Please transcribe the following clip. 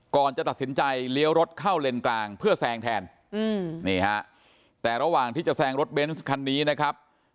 ก่อนจะตัดสินใจเลี้ยวรถเข้าเลนกลางเพื่อแซงแทนนี่ฮะแต่ระหว่างที่จะแซงรถเบนส์คันนี้นะครับ